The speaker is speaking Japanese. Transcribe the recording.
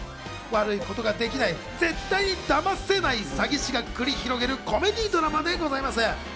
悪いことはできない絶対に騙せない詐欺師が繰り広げるコメディードラマでございます。